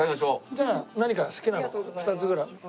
じゃあ何か好きなのを２つぐらい。